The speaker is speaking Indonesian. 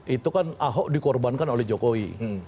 itu kan ahok dikorbankan oleh jokowi